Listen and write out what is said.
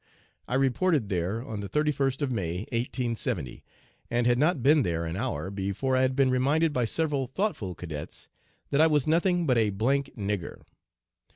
"I reported there on the 31st of May, 1870, and had not been there an hour before I had been reminded by several thoughtful cadets that I was 'nothing but a d d nigger.'